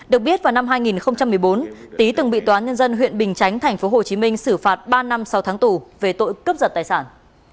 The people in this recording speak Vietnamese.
được biết vào năm hai nghìn một mươi bốn tý từng bị tòa nhân dân huyện bình chánh tp hcm xử phạt ba năm sau tháng tù về tội cướp giật tài sản